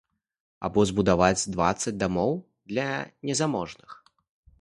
Або збудаваць дваццаць дамоў для незаможных.